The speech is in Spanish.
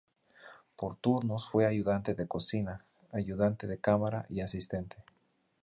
Por turnos fue ayudante de cocina, ayudante de cámara y asistente.